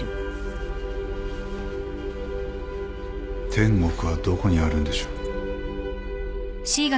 テンゴクはどこにあるんでしょう。